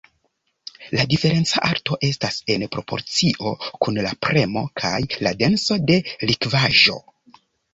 La diferenca alto estas en proporcio kun la premo kaj la denso de likvaĵo.